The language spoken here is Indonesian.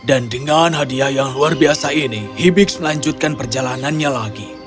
dan dengan hadiah yang luar biasa ini hibis melanjutkan perjalanannya lagi